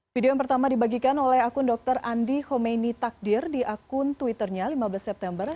video yang pertama dibagikan oleh akun dr andi khomeni takdir di akun twitternya lima belas september